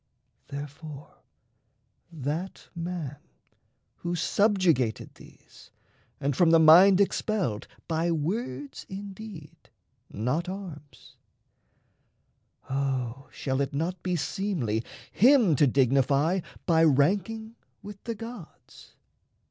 Therefore that man who subjugated these, And from the mind expelled, by words indeed, Not arms, O shall it not be seemly him To dignify by ranking with the gods?